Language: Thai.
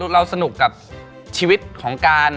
เราสนุกกับชีวิตของการ